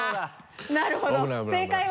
なるほど正解は？